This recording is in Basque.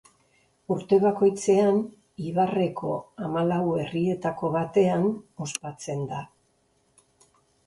Urte bakoitzean ibarreko hamalau herrietako batean ospatzen da.